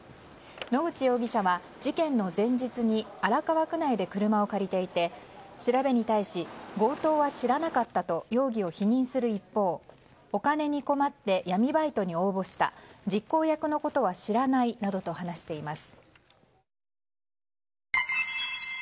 野口容疑者は事件の前日に荒川区内で車を借りていて調べに対し強盗は知らなかったと容疑を否認する一方お金に困って闇バイトに応募した実行役のことは知らないなどと話しています。